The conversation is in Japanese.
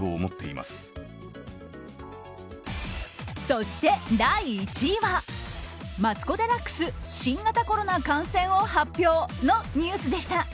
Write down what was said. そして第１位はマツコ・デラックス新型コロナ感染を発表のニュースでした。